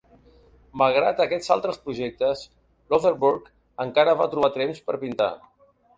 Malgrat aquests altres projectes, Loutherbourg encara va trobar temps per pintar.